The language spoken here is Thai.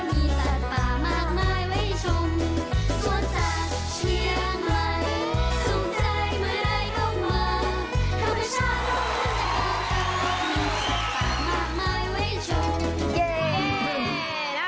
มีเศษภาพมากมายไว้ชม